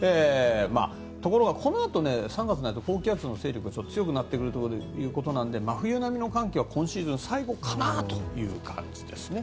ところがこのあと３月になると高気圧の勢力が強くなってくるということなので真冬並みの寒気は今シーズン最後かなという感じです。